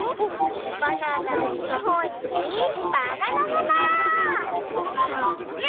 バナナを２ほんにバナナナナー！